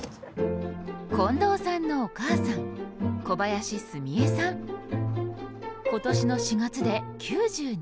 近藤さんのお母さん今年の４月で９２歳！